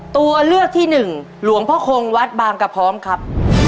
ตัวเลือกที่หนึ่งหลวงพ่อคงวัดบางกระพร้อมครับ